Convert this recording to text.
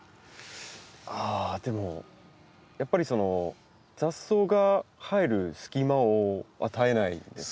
ああでもやっぱり雑草が生える隙間を与えないんですかね。